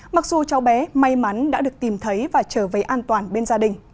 mặc dù cháu bé may mắn đã được tìm thấy và trở về an toàn bên gia đình